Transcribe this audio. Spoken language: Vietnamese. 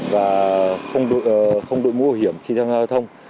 và không đuổi mũi hiểm khi tham gia giao thông